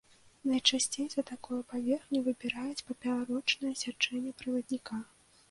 Найчасцей за такую паверхню выбіраюць папярочнае сячэнне правадніка.